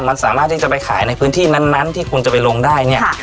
มันสามารถที่จะไปขายในพื้นที่นั้นที่คุณจะไปลงได้เนี่ย